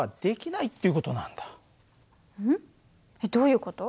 えっどういう事？